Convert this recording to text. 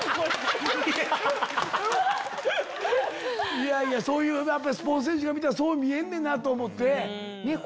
いやいやスポーツ選手が見たらそう見えんねんなと思って。